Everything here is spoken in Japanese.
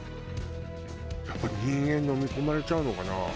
やっぱり人間のみ込まれちゃうのかな？